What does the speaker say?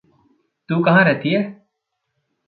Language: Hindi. तू कहाँ रहती है?